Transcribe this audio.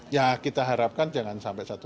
ya kita harapkan jangan sampai satu